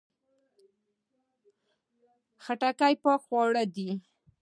خټکی پاک خوراک دی.